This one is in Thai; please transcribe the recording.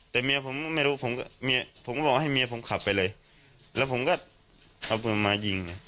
แต่เมียผมไม่รู้ผมก็บอกว่าให้เมียผมขับไปเลยแล้วผมก็เอาเปลืองมายิง